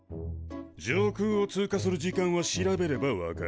上空を通過する時間は調べれば分かる。